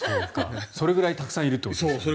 それぐらいたくさんいるということですね。